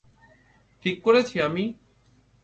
ঠিক করেছি আমি?